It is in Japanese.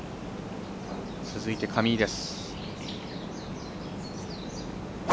続いて、上井です。